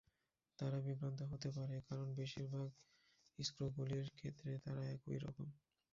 তারা বিভ্রান্ত হতে পারে কারণ বেশির ভাগ স্ক্রুগুলির ক্ষেত্রে তারা একই রকম।